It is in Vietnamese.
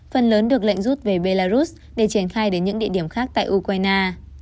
phần lớn được lệnh rút về belarus để triển khai đến những địa điểm khác tại ukraine